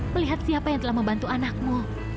melihat siapa yang telah membantu anakmu